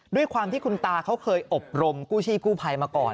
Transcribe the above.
ด้วยความที่คุณตาเขาเคยอบรมกู้ชีพกู้ภัยมาก่อน